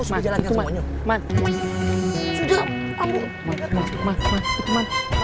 sudah tidak kejalankan semuanya